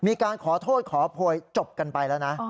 มีการขอโทษขอโพยจบกันไปแล้วนะ